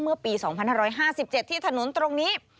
เมื่อปี๒๕๕๗ที่ถนนตรงนี้